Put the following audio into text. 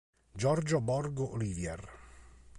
Giorgio Borg Olivier